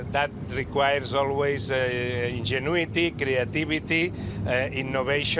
dan itu selalu memerlukan ingenu kreativitas inovasi